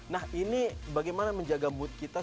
nah ini bagaimana menjaga mood kita